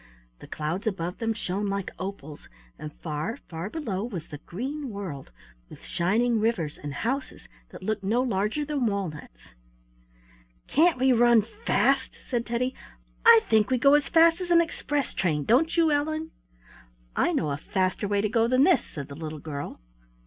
The clouds above them shone like opals, and far, far below was the green world, with shining rivers, and houses that looked no larger than walnuts. "Can't we run fast?" said Teddy. "I think we go as fast as an express train; don't you, Ellen?" "I know a faster way to go than this," said the little girl.